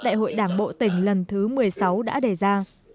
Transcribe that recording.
đại hội đảng bộ tỉnh lần thứ một mươi sáu đã đề ra